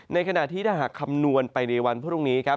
ในขณะที่ถ้าหากคำนวณไปในวันพรุ่งนี้ครับ